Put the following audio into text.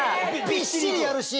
びっしりやるし。